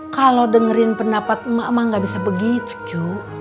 kalau dengerin pendapat emak emang gak bisa begitu cu